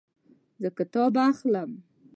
زه کتاب اخلم